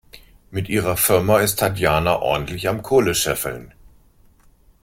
Mit ihrer Firma ist Tatjana ordentlich am Kohle scheffeln.